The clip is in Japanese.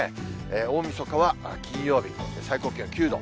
大みそかは金曜日、最高気温９度。